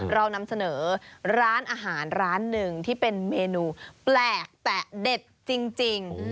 เรานำเสนอร้านอาหารร้านหนึ่งที่เป็นเมนูแปลกแต่เด็ดจริง